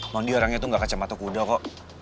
nondi orangnya tuh gak kacamata kuda kok